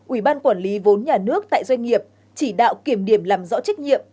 ủy ban quản lý vốn nhà nước tại doanh nghiệp chỉ đạo kiểm điểm làm rõ trách nhiệm